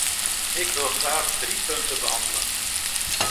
Ik wil graag drie punten behandelen.